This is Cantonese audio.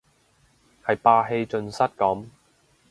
係霸氣盡失咁